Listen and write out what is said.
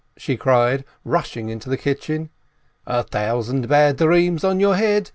she cried, rushing into the kitchen. "A thousand bad dreams on your head !